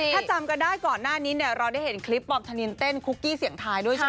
ถ้าจำกันได้ก่อนหน้านี้เนี่ยเราได้เห็นคลิปบอมธนินเต้นคุกกี้เสียงทายด้วยใช่ไหม